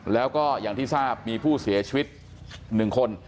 แล้วก็อย่างที่ทราบมีผู้เสียชีวิต๑คน